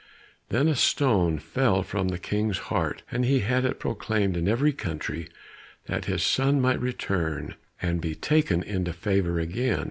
Then a stone fell from the King's heart, and he had it proclaimed in every country that his son might return and be taken into favour again.